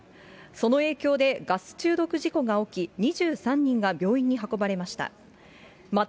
その影響で、ガス中毒事故が起き、２３人が病院に運ばれました。